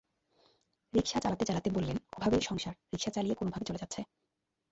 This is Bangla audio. রিকশা চালাতে চালাতে বললেন, অভাবের সংসার, রিকশা চালিয়ে কোনোভাবে চলে যাচ্ছে।